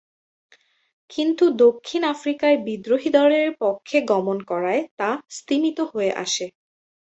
কিন্তু, দক্ষিণ আফ্রিকায় বিদ্রোহী দলের পক্ষে গমনে করায় তা স্তিমিত হয়ে আসে।